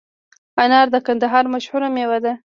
انار د کندهار مشهوره مېوه ده